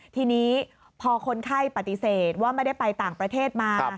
ทีนี้พอคนไข้ปฏิเสธว่าไม่ได้ไปต่างประเทศมา